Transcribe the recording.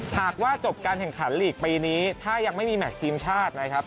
หากว่าจบการแข่งขันลีกปีนี้ถ้ายังไม่มีแมชทีมชาตินะครับ